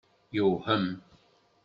Yewhem.